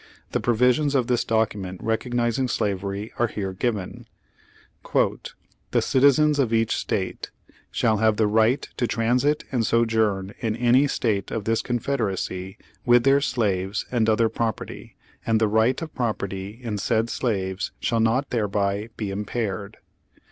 The provisions of this document recognizing slavery are here given : "The citizens of each State shall have the right to transit and sojourn in any State of this Con federacy with their slaves and other property; and the right of property in said slaves shall not thereby be impaired."